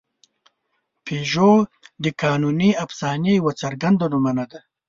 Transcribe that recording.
پيژو د قانوني افسانې یوه څرګنده نمونه ده.